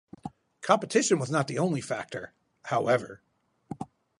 Competition was not the only factor, however.